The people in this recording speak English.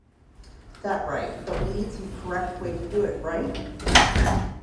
That right but we need some correct way to do it right?